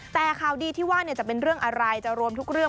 แต่ข่าวดีที่ว่าจะเป็นเรื่องอะไรจะรวมทุกเรื่อง